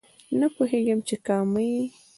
نه پوهېږم چې کامه کې